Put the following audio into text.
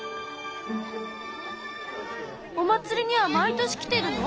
お祭りには毎年来てるの？